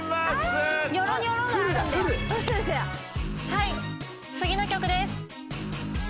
はい次の曲です。